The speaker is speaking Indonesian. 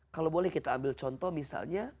kalau boleh kita ambil contoh misalnya